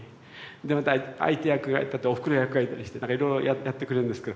でまた相手役がおふくろ役がいたりしてなんかいろいろやってくれるんですけど。